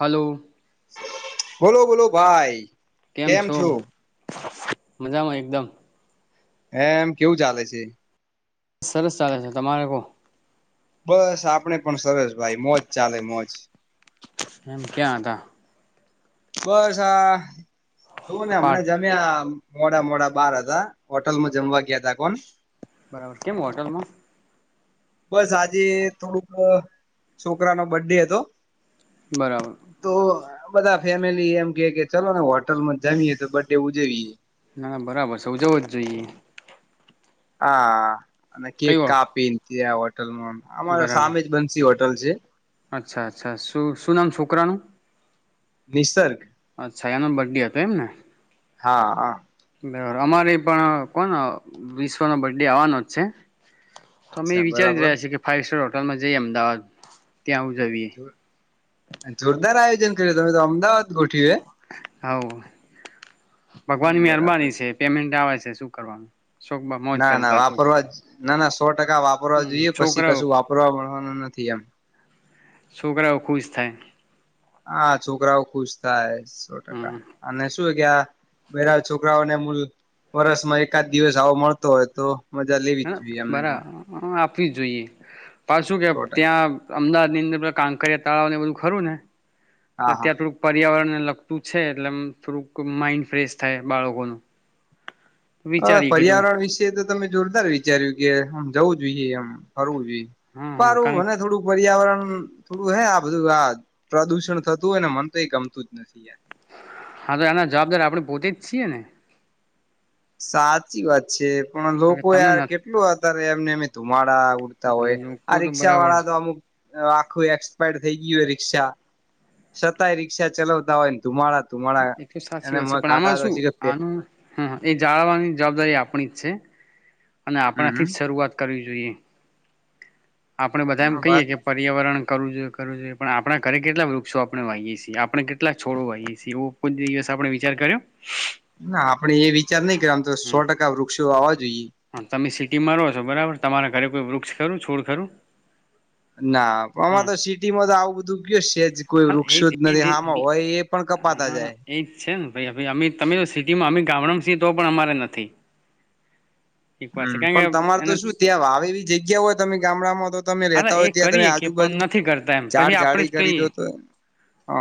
Hello બોલો બોલો ભાઈ. કેમ છો મજામાં એકદમ? હે એમ કેવું ચાલે છે? બસ સરસ ચાલે છે તમારે કોહ? બસ આપડે પણ સરસ ભાઈ મોજ ચાલે મોજ એમ ક્યાં આ હતા? બસ આ જોવું ને હમણા પાઠ જમ્યા આ મોડા મોડા બાર હતા હોટલમાં જમવા ગયા તા કોણ બરાબર કેમ હોટલમાં બસ આજે થોડુંક છોકરાનો બડે હતો. બરાબર તો બધા ફેમિલી એમ કે કે ચલો ને હોટલમાં જમીએે તો બડે ઉજવીએ. ના બરાબર છે ઉજવો જ જોઈએ. હા અને કઈ કેક વા કાપી ત્યા હોટલમાં અમારે બરાબર સામે જ બનસી હોટલ ટલછે અચ્છા અચ્છા શું શું નામ છોકરાનું? નિસર્ગ અછાયાનો બડે હતો એમ ને. હા હા અમારે પણ કોન વિશ્વનો બડે આવવાનો જ છે. તો અમે અચ્છા એ વિચારી બરાબર રહ્યા છે કે ફાઈવ સ્ટાર હોટલમાં જઈએ અમદાવાદ. ત્યાં ઉજવીએ જો જોરદાર આયોજન કર્યું તમે તો અમદાવાદ ગોઠ્યું હે. હાવ. ભગવાનની મહેરબાની છે પેમેન્ટ આવે છે શું કરવાનું સોક મા મોજ ના ના કરતા વાપરવા છોકરા. જ ના ના સો ટકા વાપરવા હમ જોઈએ પછી છોકરાઓ કશું વાપરવા મળવાનું નથી એમ. છોકરાઓ ખુશ થાય. હા છોકરાઓ ખુશ થાય સો ટકા હમ અને શું ગયા બરા છોકરાઓને મૂલ વર્સમાં એકાદ દિવસ આવો મળતો હોય તો મજા લેવી જ જોઈએ અમને પણ. થી જોઈએ પાછું કે સો ટકા ત્યાં અમદાવાદ ની અંદર કાંકરિયા તળાવ ને બધું ખરું ને. હા હા ત્યાં થોડુંક પર્યાવરણ મતલબ પૂછે છે એટલે થોડું માઈન્ડ ફ્રેશ થાય બાળકોનું. હ વિચારી કીધું પર્યાવરણ વિશે તો તમે જોરદાર વિચાર્યું કે આમ જવું જોઈએ એમ ફરવું. હા હા પારું કારણ મને થોડું પર્યાવરણ થોડું હે આ બધું આ પ્રદુષણ થતું હોય ને મન તો એ ગમતું જ નથી યાર. હા તો એના જવાબદાર આપડે પોતે જ છીએ ને. સાચી વાત છે પણ કારણ કે લોકો તમને યાર કેટલું અતારે એમને એમે ધુમાડ ડા ઉડતા હોય લોકો આ તો રી્ષા બરાબર વાળા તો અમુક આખું એક્સપાયર થઈ ગયું હોય શા છતાંય રિક્ષા ચલાવતા હોય ને ધુમાડા ધુમાડા એ તો સાચી એને વાત મ છે પણ કાટા આમાં તો શું શીખ આનું હ એ જાળવાની જવાબદારી આપણી જ છે અને હમ આપણાથી હમ જ શરૂઆત કરવી જોઈએ. આપણે બધા એમ કહીયે વાત કે પર્યાવરણ કરું જોઈએ કરું જોઈએ પણ આપણા ઘરે કેટલા વૃક્ષો આપણે વાહીએ છીએ આપણે કેટલાક છોડો વાહીએ. સવો કો દિવસ આપણે વિચાર કર્યો ના આપડે એ વિચાર નહી કર આમ તો સો ટકા વૃક્ષો આવવાજ હા તમે સિટીમાં રહો છો બરાબર તમારા ઘરે કોઈ વૃક્ષ ખરું છોડ ખરું. ના પણ આમાં હા તો સિટીમાં તો આવું બધું કય છે. હા એજ હ પણ કપાતા જાય એજ છે ને અ તમે સિટીમાં અમે ગામડમ સિ તો પણ અમારે નથી. એક વાત હમ્મ છે કારણ કે પણ તમાર તો એને શું ત્યાં આવે એવી જગ્યા હોય તમે ગામડામાં તો તમે હા રેતા એ હોય ત્યાં તમે કરીએ કે આજુબાજુ પણ નથી કરતા એમ જાડ પછી આપણે જાડી જ કરી કહીએ દો તો.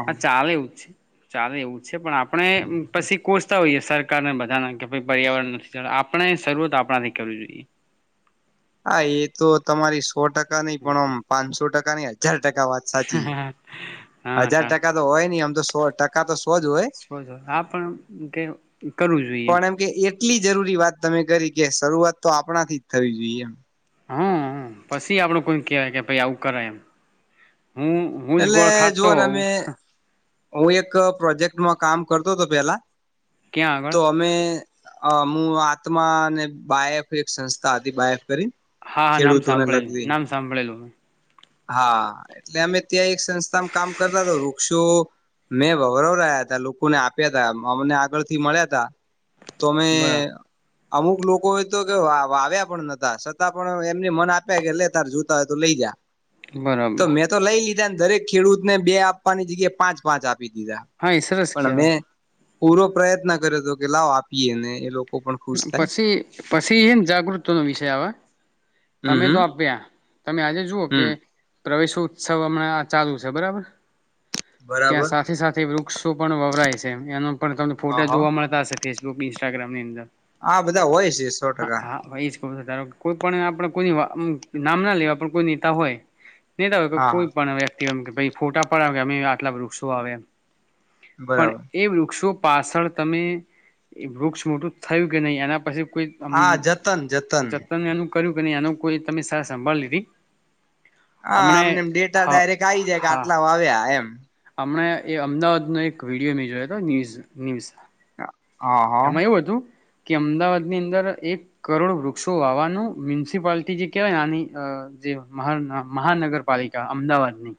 હા ચાલે એવું જ છે ચાલે એવું છે પણ આપડણે પછી કોચતા. સરકારને બધા કે ભ પર્યાવરણ નથી આપણે શરૂઆત આપણાથી કરવી જોઈએ. હા એ તો તમારી સો ટકા નહી પણ આમ પાંચસો ટકા નની હજાર ટકા વાત સાચી હા હજાર ટકા તો હોય નઈ આમ તો સો ટકા તો સોજ હોય. ઓછો આ પણ કે કરું છે. પણ એમ કે એટલી જરૂરી વાત તમે કરી કે શરૂઆત તો આપણાથી જ થવી જોઈએ એમ. હમ્મ પછી આપડું કોઈ કહેવાય કે પાઈ આવું કરે એમ. હું હું જ એટલે ગોળ ખાતો જુઓ ને હોવ. અમે હું એક પ્રોજેક્ટમાં કામ કરતો હતો પેલા ક્યાં આગળ તો અમે અ હું આત્મા અનેને બાાયફ એક સંસ્થા હતી બાાયફ કરી હા હા નામ ખેડૂતોને સાંભળેલું લગવી નામ સાંભળેલું હા એટલે અમે ત્યાં એક સંસ્થામાં કામ કરતા હતા વૃક્ષો મેં ગૌરવ રહ્યા ત લોકોને આપ્યા તા અમને આગળ થી મળ્યા તા. તોમે બરા અમુક લોકો એ તો કે વા આવ્યા પણ નતા છતાં પણ એમને મન આપ્યા કે લે તાર જોતા હોય તો લઈ જા. તો બરાબર મેં તો લઈ લીધા દરેક ખેડૂતને બે આપવાની જગ્યાએ પાંચ પાંચ આપ દીધા હા એ સરસ પણ મે કહેવાય પૂરો પ્રયત્ન કર્યો હતો કે લાવ આપીએ ને એ લોકો પણ ખુશ થાય પછી પછી એ જાગૃત નો વિષય આવે. હમ તમે હમ તો આપ તમે આજે જુઓ હમ કે પ્રવેશો ઉત્સવ હમણાં આ ચાલુ છે બરાબર. બરાબર ત્યાં સાથે સાથે વૃક્ષો પણ વવરાય છે એનો પણ તમને ફોટા જોવા મળતા હશે. ફેસબુક ઈન્સ્ટાગ્રામ નિ અંદર આ બધા હોય છે સો હા ટકા. હા એ જ કહ ધારો કોઈ પણ આપણે કોઈ નામ ના લેવા પણ કોઈ નેતા હોય નહી તો હા કોઈ પણ વ્યક્તિ ફોટા પણ આવે અમે આટલા વૃક્ષો વાવ્યા. પણ બરાબર એ વૃક્ષો પાછળ તમે વૃક્ષ મોટું થયું કે નહીં એના પછી કોઈ હા જતન જતન એનું કર્યું કે નહીં એનું કોઈ તમે સાર સંભાળ લીધી? હા હમણે અમનેમ ડેટા હા ડાયરેક્ટ આવી જાય કે હા આટલા વા આવ્યા એમ. હમણે એ અમદાવાદનો એક વિડીિયો મેં જોયો હતો ન્યૂઝ ન્યૂઝ હા હા. એમાં એવું હતું કે અમદાવાદની અંદર એક કરોડ વૃક્ષો વાવાનું મ્યુનિસિપાલટી જે કહેવાય ને આની જે માહ મહાનગરપાલિકા અમદાવાદની.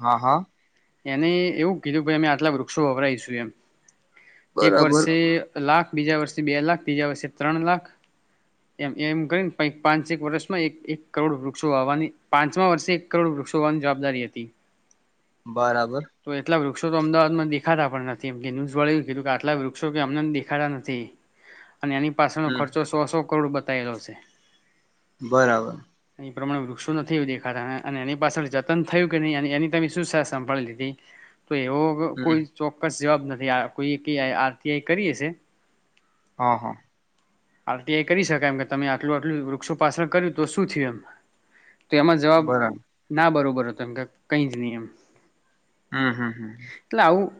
હા હા. એને એવું કીધું અમે આટલા વૃક્ષો વપરાયશું એમ. એક બરાબર વર્ષે લાખ બીજા વર્ષે બે લાખ બીજા વર્ષે ત્રણ લાખ એમ એમ કરીને પાંચેક વર્ષમાં એક એક કરોડ વૃક્ષો આવવાની પાંચમા વર્ષે એક કરોડ વૃક્ષોવાની જવાબદારી હતી. બરાબર. તો એટલા વૃક્ષો તો અમદાવાદમાં દેખાતા પણ નથીમ કે ન્યુઝ વળે એ કીધું કે આટલા વૃક્ષો કે અમને દેખાતા નથી. અને એની પાસેનો હમ ખર્ચો સો સો કરોડ બતાયેલો છે. બરાબર. એ પ્રમાણે વૃક્ષો નથી એું દેખાતા અને એ પાળ જતન થયું કે નહી અને એની તમે શું સાભળી લીધી તો એવો હમ કોઈ ચોક્કસ જવાબ નથી કોઈ આરટીઆઈ કરીએ શે. હા હા. આરટીઆઈ કરી શકાય એમ કે તમે આટલું આટલું વૃક્ષો પાસણ કર્યું તો શું થયું અમ તો એમાં જવાબ બરાબર ના બરોબર હતો એમ કે કઈ જ નહી એમ. હમ્મ હમ્મ હમ્મ.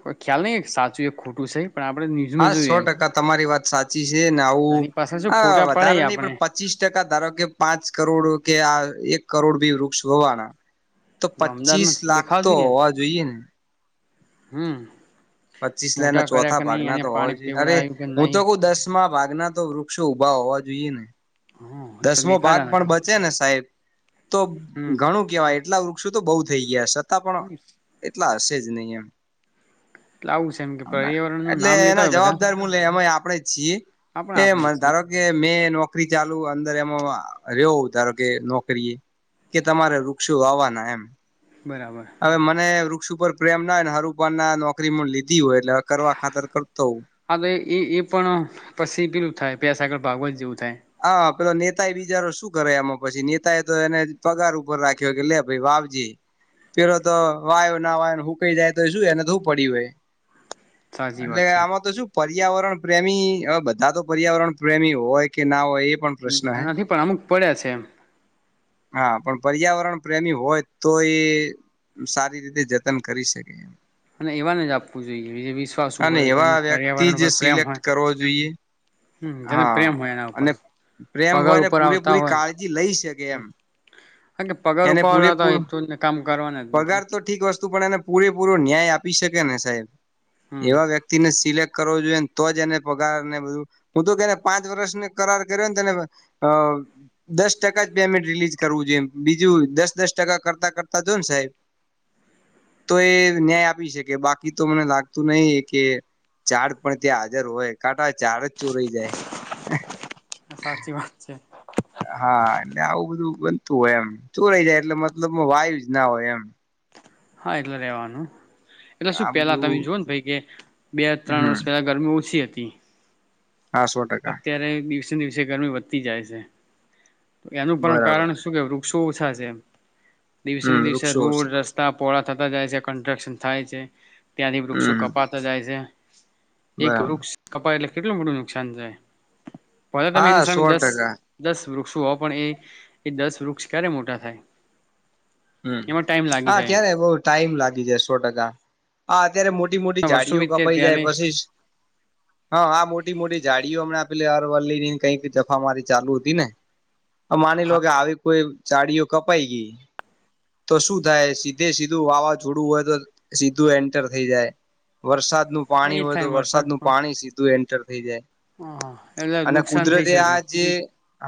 કોઈ ખ્યાલ નહી એક સાચું એક ખોટું છે. પણ આપણે ન્યૂઝમાં હા સો જોઈએ એમ. ટકા તમારી વાત સાચી છે ને આવું એની પાછળ શું આ ફોટા પડે વધારે નહી આપણે પણ પચીસ ટકા ધારો કે પાંચ કરોડ કે આ એક કરોડ ભી વૃક્ષ હોવાના તો પચીસ અમદાવાદમાં લાખ તો હોવા જોઈએ ને. હમ્મ. પચીસ લાના ચોથા ભાગના તો હોવા જોઈએ અરે પીવડાયું કે હું તો નહી કઉ દસ ભાગના તો વૃક્ષો ઉઊભા હોવા જોઈએ ને હ તો દસમો ભાગ દેખાતા પણ નથી બચે ને સાહેબ તો હમ ઘણું કેવાય એટલા વૃક્ષો તો થઈ ગયા છતાં પણ એટલા હશે જ નહી એમ. લાવું છે એમ કે અમે પર્યાવરણ નું એટલે નામ લેતા એના હોય બધા જવાબદાર મૂલ્ય અમે આપણેે જ છીએ આપણે એમ આપણે છીએ ધારો કે મેં નોકરી ચાલુ આમ રેમવા અયો ધારો કે નોકરીએ કે તમારે વૃક્ષો વાવના એમ બરાબર હવે મને વૃક્ષ ઉપર પ્રેમ નાને હરુભન ના નોકરી મલી હી હોય એટલે કરવા ખાતર કરતો હુ હા તો એ એ પણ પછી પીલું થાય ભેસ આગળ ભાગવત જેવું થાય હા પેલોને નેતા બિચારો શું કરે એમાં પછી નેતા એ તો એને પગાર ઉપર રાખ્યો કે લે ભાઈ વાવજે પેલો તો વાયો ના વાય હું કઈ જાય તો શું એને હુ પડી હોય સાચી એટલે વાત છે આમાં તો શું પર્યાવરણ પ્રેમી હવે બધા તો પર્યાવરણ પ્રેમી હોય હોએ પણશ્ન હે બધા નથી પણ અમુક પડ્યા છે એમ હા પણ પર્યાવરણ પ્રેમી હોય તો એ સારી રીતે જતન કરી શકેએ અને એવાને જ આપવું જોઈએ કે જે વિશ્વાસ અને હોય જેને એવા વ્યક્તિ પર્યાવરણ પર જ પ્રેમ હોય સિલેક્ટ કરવો જોઈએ હમ જેને હા પ્રેમ હોય એમ અને પ્રેમ હોય ને પૂરેપૂરી હોય કાળજી લઈ શકે એમ હા કે પગાર એને ઉપાડવાના હતા પૂરેપૂરું એટલું જ કામ કરવાના જ નથી પગાર તો ઠીક વસ્તુ પણ એને પૂરેપૂરો ન્યાય આપે આપી શકેને સાહેબ હમ એવા વ્યક્તિને સિલેક કરો જોઈએને તો જ એને પગાર ને બધું હું તો કેને પાંચ વર્ષને કરાર કરયોને ધન્યવાદ અ દસ ટકા પેમેન્ટ રિલીઝ કરવું જોઈએ બીજું દસ દસ ટકા કરતા કરતા જો સાહેબ તો એ ન્યાય આપી શકે બાકી તો મને લાગતું નહી કે ચાડ પણ ત્યાં હાજર હોય કાંકા ચાડ જ ચોરઈ જાય સાચી વાત છે હા આવું બધું બનતું હોય એમ ચુંરાઈ જાય એટલે મતલબ વાયુ જ ના હોય એમ હા એટલે રહેેવાનું એટલે આ શું પહેલા તમે બધું જોઓ ને ભાઈ કે બે ત્રણ હમ વર્ષ પહેલા ગરમી ઓછી હતી હા સો ટકા અત્યારે દિવસે દિવસે ગરમી વધતી જાય છે એનું પણ બરાબર કારણ શું કે વૃક્ષો ઓછા છે દિવસેને હમ દિવસે વૃક્ષો રોડ રસ્તા પોહોળા થતા જાય છે કન્ટ્રક્શન થાય છે ત્યાંથી વૃક્ષો હમ કપાતા જાય છે એક બરાબર વૃક્ષ કપાય એટલે કેટલું મોટું નુકસાન થાય પલા તમે હા એની સામે સો દસ ટકા દસ વૃક્ષો હો પણ એ એ દસ વૃક્ષ ક્યારે મોટા થાય હમ એમાં ટાઈમ લાગી હા જાય ક્યારે બહુ ટાઈમ લાગી જાય સો ટકા હા અત્યારે મોટી મોટી વર્ષો જાડીઓ વીતે કપાઈ જાય ત્યારે પસિસ હા મોટી મોટી મોટી જાડીઓ હમણા આપેલી અરવલ્લી ની કઈક જફા મારી ચાલુ હતી ને આ માની લો કે આવી કોઈ જાડીઓ કપાઈ ગઈ તો શું થાય સીધે સીધું વાવાઝોડું હોય તો સીધું એન્ટર થઈ જાય વરસાદ નું પાણી એ હોય તો થાય વરસાદ નું પણ પાણી સીધું એન્ટર થઈ જાય હ એટલે અને નુકસાન થઈ કુદરતે આ શકે જે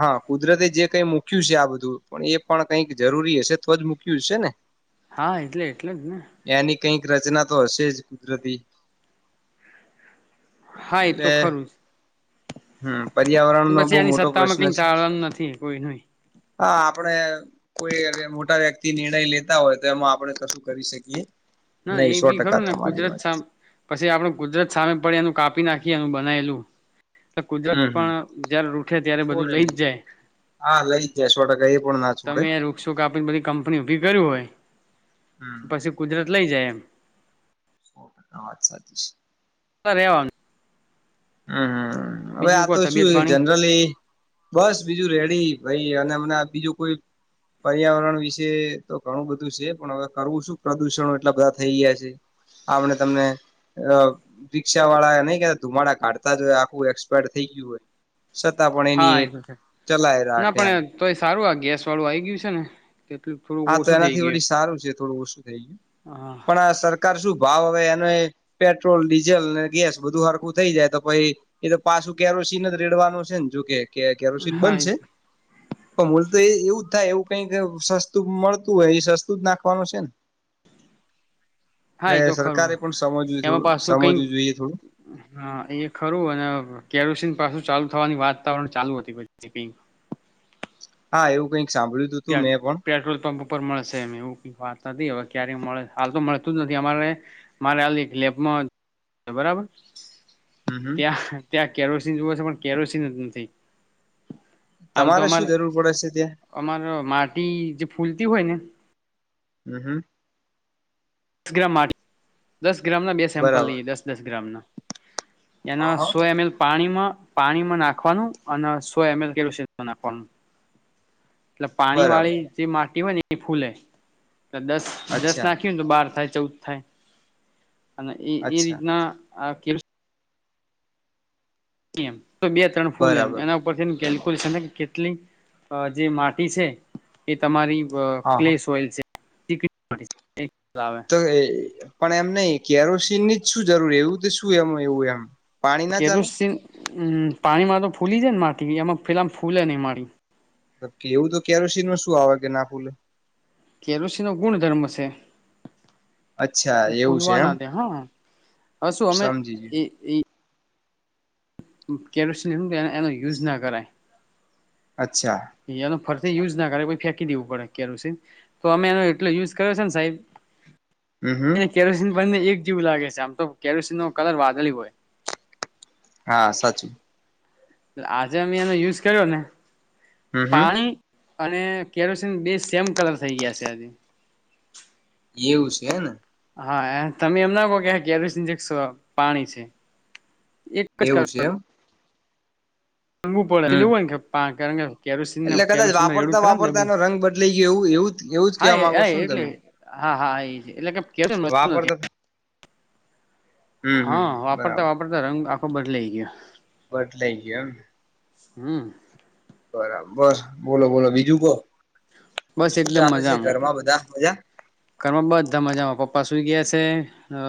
હા કુદરતે જે કઈ મુ મૂક્યું છે આ બધું એપણ કઈક જરૂરી હશે તો જ મુૂક્યું હશે ને હા એટલે એટલે જ ને એની કઈક રચના તો હશે જ કુદરતી હા એ તો એટલે ખરું જ હમ પર્યાવરણ નો પછી બહુ આની મોટો સત્તામાં પ્રશ્ન કઈ છે ચાલવાનું નથી કોઈનું હા આપણે કોઈ અને મોટા વ્યક્તિ નિર્ણય લેતા હોય તો એમાં આપણે કશું કરી શકીએ ના એ નહી સો બી ટકા ખરું ને તમારી કુદરત વાત છે. સામે પછી આપડું કુદરત સામે પડે એનું કાપી નાખી બનાયલું કુદરત હમ હમ પણ જય્યારે રૂઠે ત્યારે બધું છોડે લઈ જ નહી જાય હા લઈ જાય સો ટકા એ પણ ના છોડે તમે વૃક્ષો કાપીને બધી કંપની ઉભી કરી્યું હોય હમ પછી કુદરત લઈ જાય એમ આ વાત સાચી છે. હ ર રહેવાનું. હમ્મ હવે આ તો શું તબિયત પાણી જનરલી બસ બીજું રેડી ભાઈ અને હમને બીજું કોઈ પર્યાવરણ વિશે તો ઘણું બધું છે પણ હવે કરવું શું પ્રદુષણ એટલા બધા થઈ ગયા છે. આપણે તમને રિક્ષા વાળા નહી કતા તમાડા કાઢતા જ હોય આખું એક્સપાયર થઈ ગયું હોય. છતાં પણ એની હા એ એક તો છે ચલાય ના રાખે એમ પણ તો એ સારું આ ગેસ વાળું આ આવી ગયું છે ને કેટલું થોડુંક હા તો ઓછું થઈ એનાથી ગયું વી સારું છે થોડું ઓછું થઈ ગયું હા પણ આ સરકાર શું ભાવ એને પેટ્રોલ ડીઝલ ગેસ બધું હરકું થઈ જાય તો પછ એ તો પાછું કેરોસીન રેડવાનું છે ને જો કે કે કેરોસીન હા બનશે પણ મલ તો એ એવું જ થાય એવું કઈક સતું મળતું હોય એ સસ્તું જ નાખવાનું છે ને હા એ એટલે તો ખરું સરકારે પણ સમજવું થોડું એમાં પાછું સમજવું કઈક જોઈએ થોડું હા એ ખરું અને કેરોસીન પાછું ચાલુ થવાની વાતાવરણ ચાલુ હતી પછી. હા એવું કઈક સાંભળ્યું હતું મેં પણ પેટ્રોલ પંપ ઉપર મળશે એ એવું ક વાત નથી હવે ક્યારેય મળે હાલ તો મળેતું જ નથી અમારે મારે હાલ એક લેબમાં બરાબર હમ હમ ત્યાં ત્યાં કેરોસીન જોવુંશે પણ કેરોસીન જ નથી આમ તો તમારે અમાર શું જરૂર પડે છે ત્યાં? અમાર માટી જે ફૂલતી હોય ને હમ્મ હમ્મ દસ ગ્રામ માટે દસ ગ્રામ ના બે સેમ્પલ બરાબર લઈએ દસ દસ ગ્રામ ના હા એના હા સો એમ એલ પાણીમાં પાણીમાં નાખવાનું અને સો એમ એલ કરું છે નાખવાનું એટલે પાણી બરાબર વાળી જે માટી હોય ને એ ફૂલે એટલે દસ દસ અચ્છા નાખ્યું ને તો બહાર થાય ચૌદ થાય અને એ અચ્છા રીતના આ કે તો બે ત્રણ ફૂલ એમ બરાબર એના ઉપરથી કેલ્ક્યુલેશન કે કેટલી જે માટી છે એ તમારી હા ક્લે હા સોઇલ છે આવે તો પણ એમ નહી કેરોસીન ની શું જરૂરી એવું શું એમ એવું એમ પાણી ના ચાલે? હમ્મ પાણીમાં તો ફૂલી જાય ને માટી એમાં પેલા ફૂલે નહ મારી કે એવું તો કેરોસીન ન શું આવે કે ના પૂલે. કેરોસીન નો ગુણ ધર્મ છે અચ્છા એવું છે ફૂલવા એમ ના હા હ શું અમે સમજી ગયું એ કેરોસન એનો યુઝ ના કરાય અચ્છા એનો ફરથી યુઝ ના કરે ફેંકી દેવું પડે્યારે તો અમે એનો એટલો યુઝ કર્યો છે ને સાહેબ હમ હમ એ કે બને એક જેવું લાગે છે આમ તો કેરોસીન નો કલર વાદળી હોય હા સાચું. આજે અમે એનો યુઝ કર્યો ને હમ હમ પાણી અને કેરોસીન બે સેમ કલર થઈ ગયા છે આજે એવું છે ને હા તમે એમ ના કોહ કે કેરસજકસ પાણી છે. એક એવું છે એમ રંગું પડેે હમ [unintelligible] કેરોસીનને એટલે કદાચ કેરોસીન રેડું વાપરતા ખરા વાપરતા ડબુ એનો રંગ બદલાઈ ગયો એવું એવું એવું જ કેવા માંગો હા છો ને એટલે તમે હા હા એ જ એટલે કે કે નથી વાપરતા હમ હમ હા વાપરતા વાપરતા રંગ આખો બદલાઈ ગયો બદ લાઈ ગયો એમ હમ બરાબર બસ બોલો બોલો બીજું કો બસ શું એકદમ ચાલે છે મજામાં ઘરમાં બધા મજા ઘરમાં બધા મજામાં પપ્પા સુઈ ગયા છે. તે અ